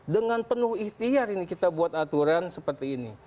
dengan penuh ikhtiar ini kita buat aturan seperti ini